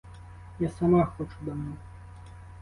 Я сама хочу давно.